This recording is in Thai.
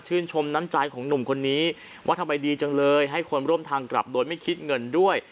ชมน้ำใจของหนุ่มคนนี้ว่าทำไมดีจังเลยให้คนร่วมทางกลับโดยไม่คิดเงินด้วย